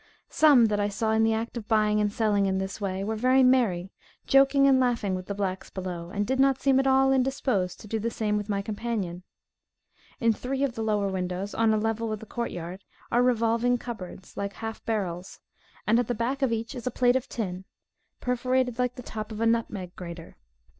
Some that I saw in the act of buying and selling in this way, were very merry, joking and laughing with the blacks below, and did not seem at all indisposed to do the same with my companion. In three of the lower windows, on a level with the court yard, are revolving cupboards, like half barrels, and at the back of each is a plate of tin, perforated like the top of a nutmeg grater.